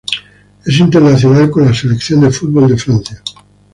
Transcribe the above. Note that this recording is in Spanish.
Es internacional con la selección de fútbol de Francia.